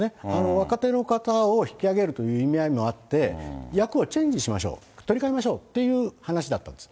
若手の方を引き上げるという意味合いもあって、役をチェンジしましょう、取りかえましょうっていう話だったんです。